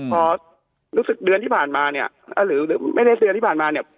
พอรู้สึกเดือนที่ผ่านมาเนี่ยหรือไม่ได้เซียนที่ผ่านมาเนี่ย